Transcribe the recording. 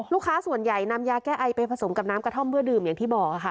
ลูกค้าส่วนใหญ่นำยาแก้ไอไปผสมกับน้ำกระท่อมเพื่อดื่มอย่างที่บอกค่ะ